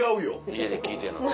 家で聴いてんのと？